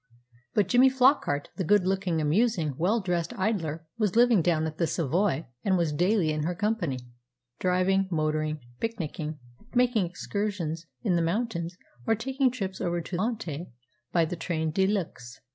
But Jimmy Flockart, the good looking, amusing, well dressed idler, was living down at the "Savoy," and was daily in her company, driving, motoring, picnicking, making excursions in the mountains, or taking trips over to "Monte" by the train de luxe.